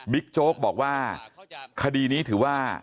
โจ๊กบอกว่าคดีนี้ถือว่า